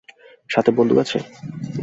সাথে বন্দুক আছে?